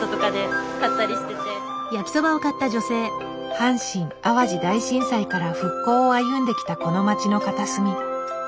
阪神・淡路大震災から復興を歩んできたこの街の片隅。